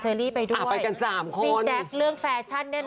เอ้าหรอเอ้าหรอเอ้าหรอ